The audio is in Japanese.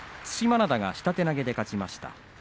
對馬洋が下手投げで勝ちました。